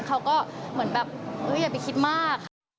เขาก็เหมือนแบบอย่าไปคิดมากค่ะ